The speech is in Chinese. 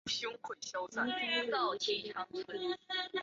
积极发展各类职业教育和培训。